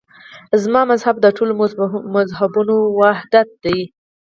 زما مذهب د ټولو مذهبونو وحدت دی.